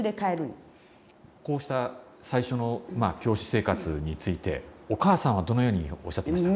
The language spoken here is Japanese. こうした最初の教師生活についてお母さんはどのようにおっしゃっていました？